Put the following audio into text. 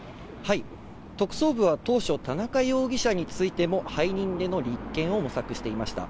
特捜部は当初、田中容疑者についても背任での立件を模索していました。